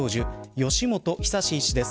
吉本尚医師です。